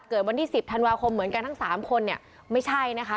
เกิดวันที่๑๐ธันวาคมเหมือนกันทั้ง๓คนเนี่ยไม่ใช่นะคะ